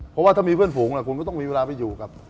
เพราะว่าถ้ามีเพื่อนฝูงคุณก็ต้องมีเวลาไปอยู่กับ